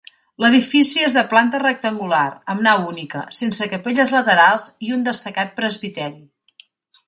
L'edifici és de planta rectangular, amb nau única, sense capelles laterals i un destacat presbiteri.